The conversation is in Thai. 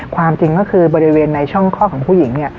ความจริงก็คือบริเวณในช่องข้อของผู้หญิงเนี่ย